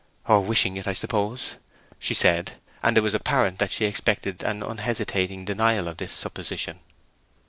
"Or wishing it, I suppose," she said; and it was apparent that she expected an unhesitating denial of this supposition.